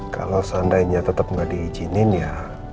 kalau seandainya tetap nggak diizinin ya